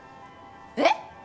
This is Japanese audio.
えっ！？